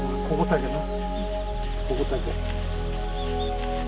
ここだけ。